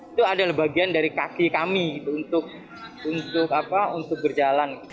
itu adalah bagian dari kaki kami untuk berjalan